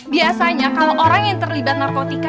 biasanya kalau orang yang terlibat narkotika